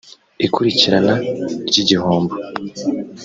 ikurikirana ry’ igihombo